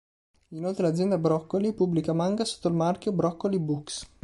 Inoltre l'azienda Broccoli pubblica manga sotto il marchio Broccoli Books.